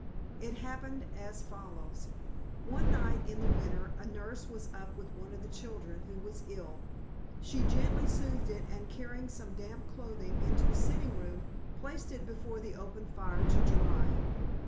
It happened as follows: One night in the winter a nurse was up with one of the children, who was ill. She gently soothed it and carrying some damp clothing into the sitting room, placed it before the open fire to dry.